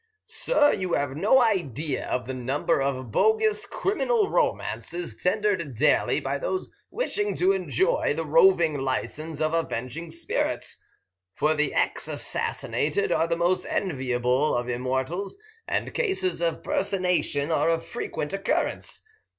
Sir, you have no idea of the number of bogus criminal romances tendered daily by those wishing to enjoy the roving license of avenging spirits, for the ex assassinated are the most enviable of immortals, and cases of personation are of frequent occurrence.